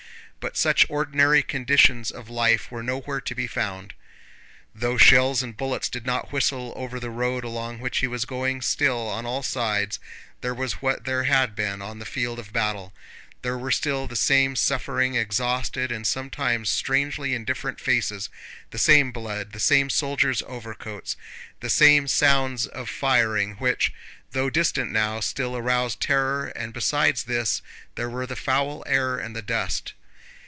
But such ordinary conditions of life were nowhere to be found. Though shells and bullets did not whistle over the road along which he was going, still on all sides there was what there had been on the field of battle. There were still the same suffering, exhausted, and sometimes strangely indifferent faces, the same blood, the same soldiers' overcoats, the same sounds of firing which, though distant now, still aroused terror, and besides this there were the foul air and the dust.